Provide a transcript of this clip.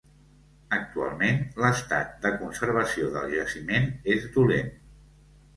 Actualment, l'estat de conservació del jaciment és dolent.